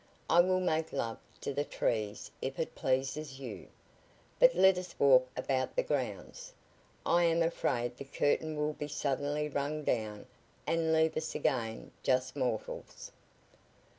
"I will make love to the trees if it pleases you. But let us walk about the grounds. I am afraid the curtain will be suddenly rung down and leave us again just mortals."